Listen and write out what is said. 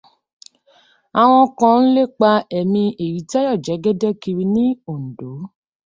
Àwọn kan ń lépa ẹ̀mí Èyítáyò Jégédé kiri ní Òǹdó.